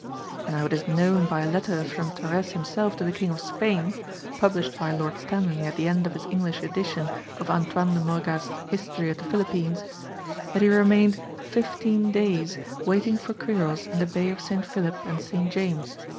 Now it is known by a letter from Torrès himself to the King of Spain published by Lord Stanley at the end of his English edition of Antoine de Morga's History of the Philippines that he remained "fifteen" days waiting for Quiros in the Bay of Saint Philip and Saint James.